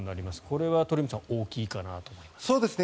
これは鳥海さん大きいかなと思います。